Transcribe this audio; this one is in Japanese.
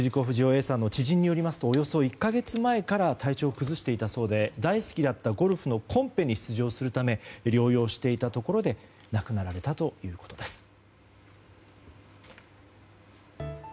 不二雄Ａさんの知人によりますとおよそ１か月前から体調を崩していたそうで大好きだったゴルフのコンペに出場するため療養していたところで亡くなられたということです。